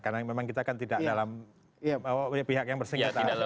karena memang kita kan tidak dalam pihak yang bersengketa